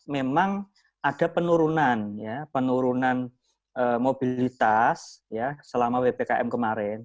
memang ada penurunan ya penurunan mobilitas ya selama ppkm kemarin